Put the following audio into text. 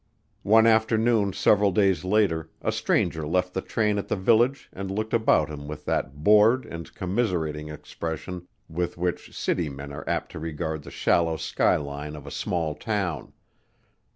One afternoon several days later a stranger left the train at the village and looked about him with that bored and commiserating expression with which city men are apt to regard the shallow skyline of a small town.